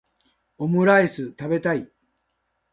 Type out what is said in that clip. オムライス食べたい